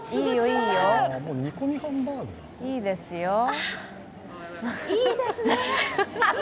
あっ、いいですね。